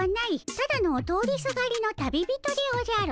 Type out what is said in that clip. ただの通りすがりの旅人でおじゃる。